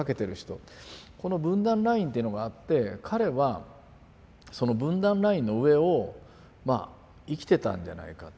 この分断ラインっていうのがあって彼はその分断ラインの上をまあ生きてたんじゃないか。